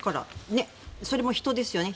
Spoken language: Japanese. それも人ですよね。